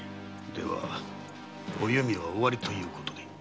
ではお弓は終わりということに？